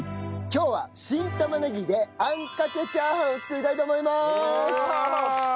今日は新玉ねぎであんかけチャーハンを作りたいと思いまーす。